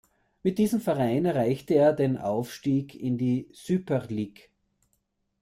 Mit diesem Verein erreichte er den Aufstieg in die Süper Lig.